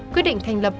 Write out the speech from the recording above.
quyết định thành lập